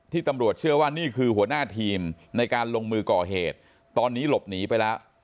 ตำรวจเชื่อว่านี่คือหัวหน้าทีมในการลงมือก่อเหตุตอนนี้หลบหนีไปแล้ว